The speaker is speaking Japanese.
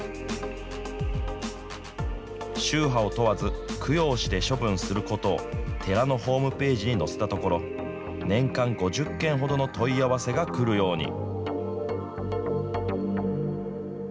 宗派を問わず、供養して処分することを寺のホームページに載せたところ、年間５０件ほどの問い合わせが来るように。